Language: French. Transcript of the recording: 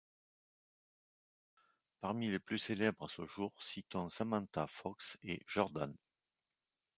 Parmi les plus célèbres à ce jour, citons Samantha Fox et Jordan.